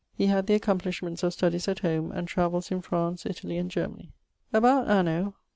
He had the accomplishments of studies at home, and travells in France, Italie, and Germanie. About anno